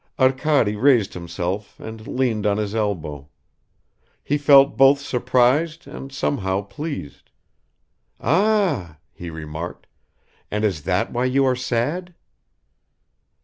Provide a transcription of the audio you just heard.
Arkady raised himself and leaned on his elbow. He felt both surprised and somehow pleased. "Ah," he remarked, "and is that why you are sad?"